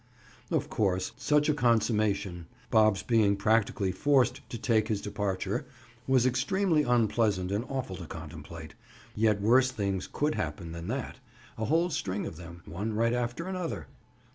Of course, such a consummation—Bob's being practically forced to take his departure—was extremely unpleasant and awful to contemplate, yet worse things could happen than that—a whole string of them, one right after another!